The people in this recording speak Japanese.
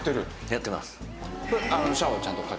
やってます。